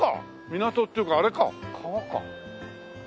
港っていうかあれか川か。